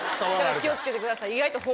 気を付けてください。